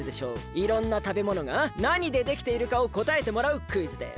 いろんなたべものが何でできているかをこたえてもらうクイズです！